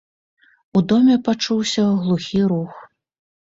У доме пачуўся глухі рух.